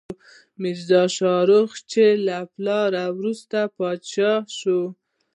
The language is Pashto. میرزا شاهرخ، چې له پلار وروسته پاچا شو.